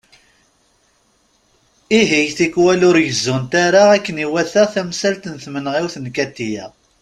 Ihi, tikwal ur gezzunt ara akken iwata tamsalt n tmenɣiwt n Katiya.